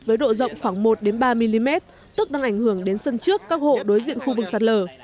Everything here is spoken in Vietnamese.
với độ rộng khoảng một ba mm tức đang ảnh hưởng đến sân trước các hộ đối diện khu vực sạt lở